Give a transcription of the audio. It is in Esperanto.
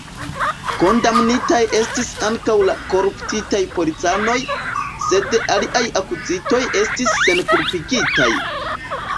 Kondamnitaj estis ankaŭ la koruptitaj policanoj, sed aliaj akuzitoj estis senkulpigitaj.